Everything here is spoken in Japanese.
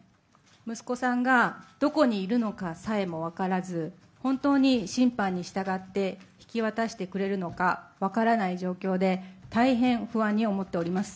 息子さんが、どこにいるのかさえも分からず、本当に審判に従って引き渡してくれるのか分からない状況で、大変不安に思っております。